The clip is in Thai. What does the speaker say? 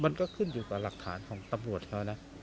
มันก็ขึ้นอยู่กับหลักฐานของตำรวจเขานะ